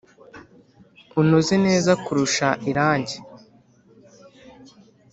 Unoze neza kurusha irange